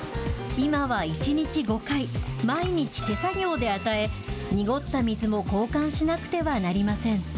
今は１日５回、毎日手作業で与え、濁った水も交換しなくてはなりません。